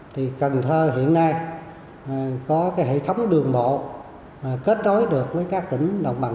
thì cần thơ hiện nay có cái hệ thống đường bộ kết nối được với các tỉnh đồng bằng